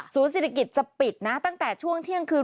ศูนย์ศิริกิจจะปิดนะตั้งแต่ช่วงเที่ยงคืน